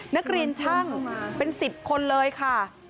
นักเรียนช่างเป็น๑๐คนเลยค่ะ